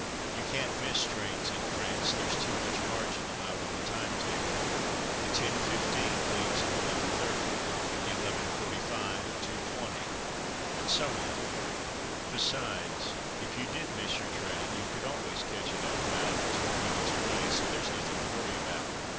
You can't miss trains in France: there's too much margin allowed on the time table. The 10.15 leaves at 11.30, the 11.45 at 2.20, and so on; besides, if you did miss your train, you could always catch it up about two fields away, so there's nothing to worry about.